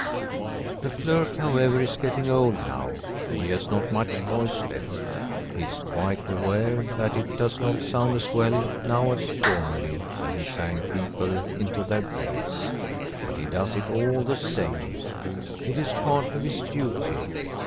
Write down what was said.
The clerk, however, is getting old now, and he has not much voice left ; he is quite aware that it does not sound as well now as formerly when he sang people into their graves ; but he does it all the same — it is part of his duty.